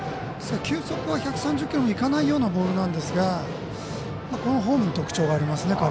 球速は１３０キロにいかないようなボールなんですがフォームに特徴がありますね